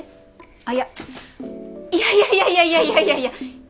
あいやいやいやいやいやいやいやいや！